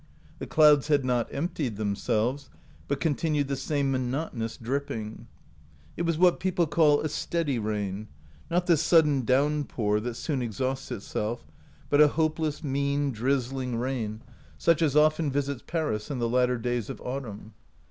The clouds had not emptied themselves, but continued the same monotonous dripping. It was what people call a steady rain, not the sudden downpour that soon exhausts itself, but a hopeless, mean, drizzling rain, i5 OUT OF BOHEMIA such as often visits Paris in the latter days of autumn.